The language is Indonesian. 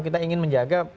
kita ingin menjaga